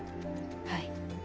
はい。